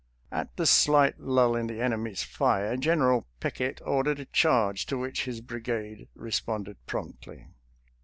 At the slight lull in the enemy's fire. General Pickett or dered a charge, to which his brigade responded promptly."